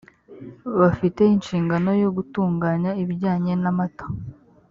bafite inshingano yo gutunganya ibijyanye n’amata